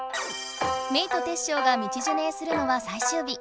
メイとテッショウが道ジュネーするのは最終日。